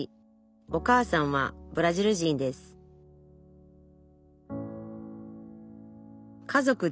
お母さんはブラジル人です